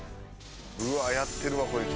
うわっやってるわこいつ。